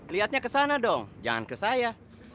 lihatnya kesana dong jangan ke saya